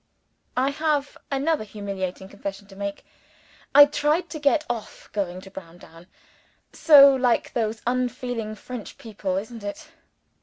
I have another humiliating confession to make I tried to get off going to Browndown. (So like those unfeeling French people, isn't it?)